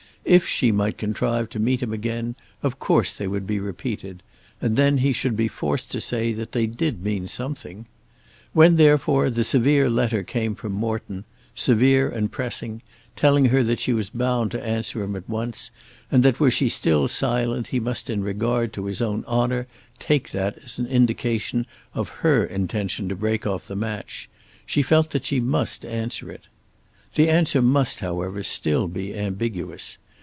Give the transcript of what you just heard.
If she might contrive to meet him again of course they would be repeated, and then he should be forced to say that they did mean something. When therefore the severe letter came from Morton, severe and pressing, telling her that she was bound to answer him at once and that were she still silent he must in regard to his own honour take that as an indication of her intention to break off the match, she felt that she must answer it. The answer must, however, still be ambiguous.